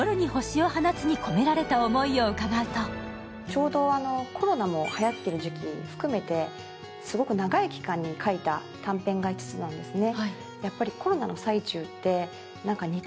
ちょうどコロナもはやっている時期含めてすごく長い期間に書いた短編の５つなんですね。